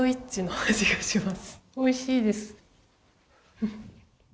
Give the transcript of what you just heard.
おいしいです。